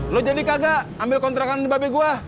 lu jadi kagak ambil kontrakan di babe gue